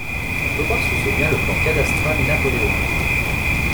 On peut voir sous ce lien le plan cadastral napoléonien.